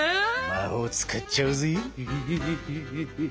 魔法を使っちゃうぜ！